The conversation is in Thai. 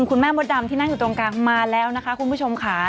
มดดำที่นั่งอยู่ตรงกลางมาแล้วนะคะคุณผู้ชมค่ะ